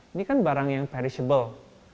ini kan barang yang perishable